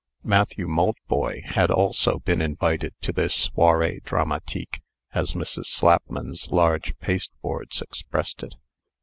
Matthew Maltboy had also been invited to this soirée dramatique (as Mrs. Slapman's large pasteboards expressed it).